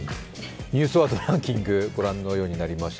「ニュースワードランキング」ご覧のようになりました。